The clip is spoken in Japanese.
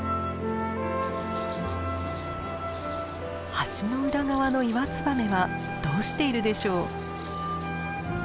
橋の裏側のイワツバメはどうしているでしょう？